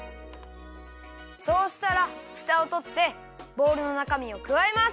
そうしたらふたをとってボウルのなかみをくわえます。